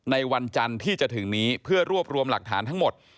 ในวันจันทร์ที่จะถึงนี้เพื่อรวบรวมหลักฐานทั้งหมด